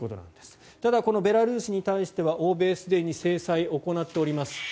ただこのベラルーシに対しては欧米すでに制裁を行っております